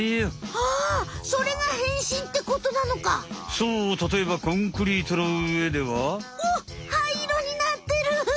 そうたとえばコンクリートのうえでは。おっはいいろになってる。